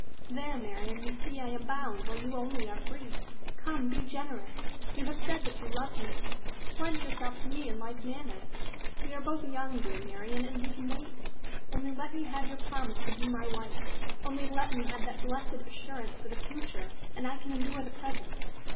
There, Marian, you see I am bound, while you only are free. Come! be generous! You have said that you loved me! Pledge yourself to me in like manner. We are both young, dear Marian, and we can wait. Only let me have your promise to be my wife only let me have that blessed assurance for the future, and I can endure the present.